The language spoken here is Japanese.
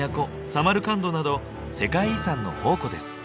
サマルカンドなど世界遺産の宝庫です。